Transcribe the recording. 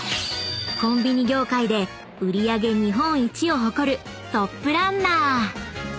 コンビニ業界で売り上げ日本一を誇るトップランナー！］